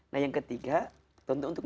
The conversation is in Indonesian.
nah yang ketiga tentu untuk